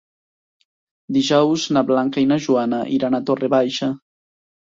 Dijous na Blanca i na Joana iran a Torre Baixa.